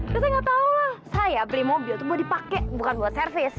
ya saya gak tahulah saya beli mobil itu buat dipakai bukan buat servis